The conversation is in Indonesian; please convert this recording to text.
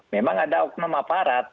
memang ada oknum aparat